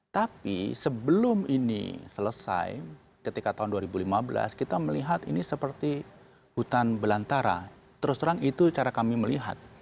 tapi sebelum ini selesai ketika tahun dua ribu lima belas kita melihat ini seperti hutan belantara terus terang itu cara kami melihat